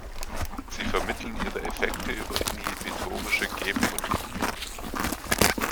Sie vermitteln ihre Effekte über inhibitorische G-Proteine.